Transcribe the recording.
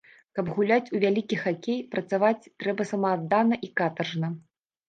Каб гуляць у вялікі хакей, працаваць трэба самааддана і катаржна.